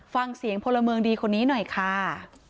ฟังเสียงพลเมืองดีคนนี้หน่อยค่ะ